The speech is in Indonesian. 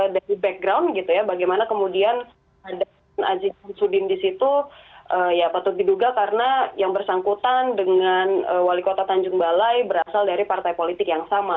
dari background gitu ya bagaimana kemudian ada aziz syamsudin di situ ya patut diduga karena yang bersangkutan dengan wali kota tanjung balai berasal dari partai politik yang sama